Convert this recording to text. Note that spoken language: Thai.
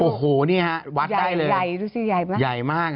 โอ้โหนี่ฮะวัดได้เลยใหญ่มากนะตรงนี้